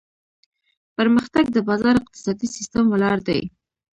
پرمختګ د بازار اقتصادي سیستم ولاړ دی.